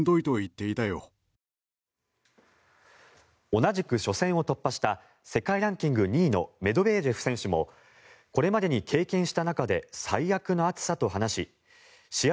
同じく初戦を突破した世界ランキング２位のメドベージェフ選手もこれまでに経験した中で最悪の暑さと話し試合